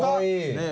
ねえ。